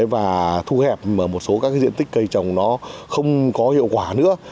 và thu hẹp một số diện tích cây trồng không có hiệu quả nữa